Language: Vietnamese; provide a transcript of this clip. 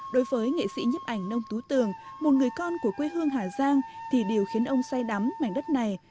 đối với nghệ sĩ nhấp ảnh nông tú tường một người con của quê hương hà giang thì điều khiến ông say đắm mảnh đất này